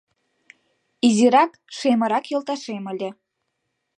Изирак-шемырак йолташем ыле